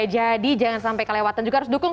jadi jangan sampai kelewatan juga harus dukung